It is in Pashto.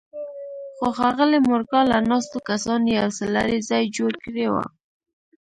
خو ښاغلي مورګان له ناستو کسانو يو څه لرې ځای جوړ کړی و.